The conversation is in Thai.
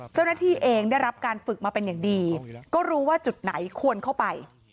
เจ้าหน้าที่เองได้รับการฝึกมาเป็นอย่างดีก็รู้ว่าจุดไหนควรเข้าไป